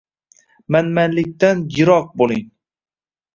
Manmanlikdan yiroq bo‘ling.